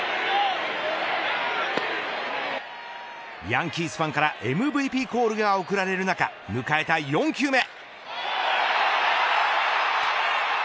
ヤンキースファンからＭＶＰコールが送られる中迎えた４球目。